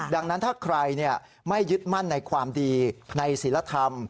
ดังนั้นถ้าใครไม่ยึดมั่นในความดีในศิลธรรม